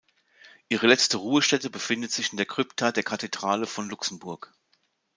Ihre letzte Ruhestätte befindet sich in der Krypta der Kathedrale von Luxemburg.